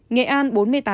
nghệ an bốn mươi tám